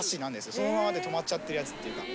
そのままでとまっちゃってるやつとか。